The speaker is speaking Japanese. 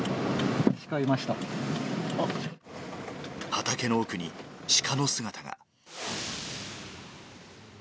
畑の奥にシカの姿が。